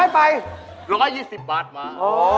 ๑๐๐ไป๑๒๐บาทมา